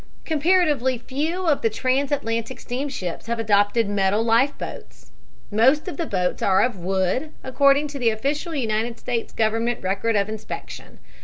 Comparatively few of the transatlantic steamships have adopted metal life boats. Most of the boats are of wood, according to the official United States Government record of inspection.